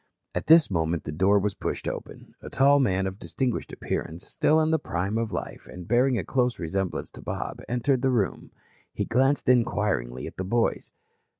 At this moment the door was pushed open. A tall man of distinguished appearance, still in the prime of life, and bearing a close resemblance to Bob, entered the room. He glanced inquiringly at the boys.